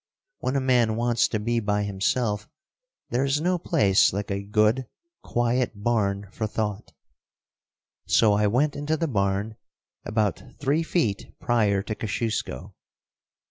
When a man wants to be by himself, there is no place like a good, quiet barn for thought. So I went into the barn, about three feet prior to Kosciusko. [Illustration: THE COMBAT.